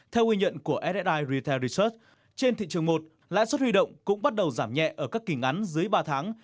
theo huy nhận của ssai retail research trên thị trường một lãi suất huy động cũng bắt đầu giảm nhẹ ở các kỳ ngắn dưới ba tháng